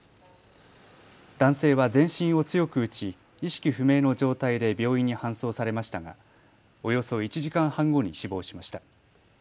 男性は全身を強く打ち意識不明の状態で病院に搬送されましたがおよそ１時間半後に死亡しました。